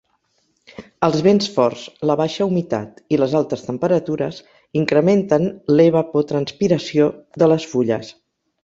Els vents forts, la baixa humitat i les altes temperatures incrementen l'evapotranspiració de les fulles.